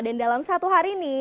dan dalam satu hari ini